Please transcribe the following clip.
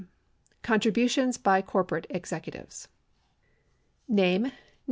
Contributions by Corporate Executives Pre Apr.